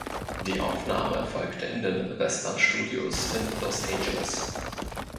Die Aufnahme erfolgte in den Western Studios in Los Angeles.